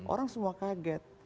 orang semua kaget